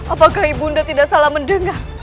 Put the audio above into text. apakah ibu unda tidak salah mendengar